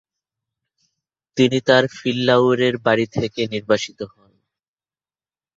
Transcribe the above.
তিনি তার ফিল্লাউরের বাড়ী থেকে নির্বাসিত হন।